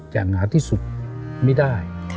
อย่างหนาที่สุดไม่ได้